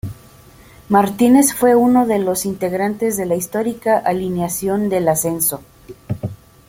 Martínez fue uno de los integrantes de la histórica alineación del ascenso.